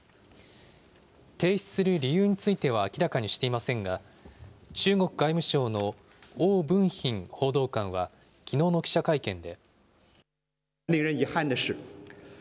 停止する理由については明らかにしていませんが、中国外務省の汪文斌報道官は、きのうの記者会見で。